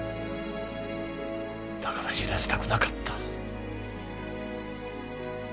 だから知らせたくなかった。